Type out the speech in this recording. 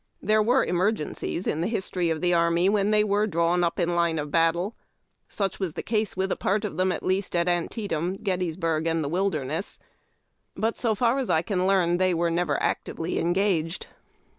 There were emergencies in tlie history of the army when tliey were drawn up in line of battle. Such was the case with a part of them at least at Antietam, Gettysburg, and the Wilderness, but, so far as I can learn, they were never actively engaged.